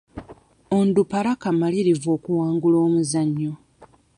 Onduparaka malirivu okuwangula omuzannyo.